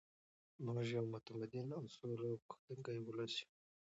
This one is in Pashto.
موږ یو متمدن او سوله غوښتونکی ولس یو.